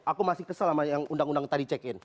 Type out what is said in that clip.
aku masih kesel sama yang undang undang tadi check in